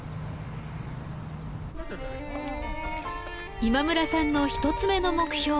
今村さんの１つ目の目標